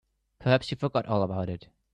Perhaps she forgot all about it.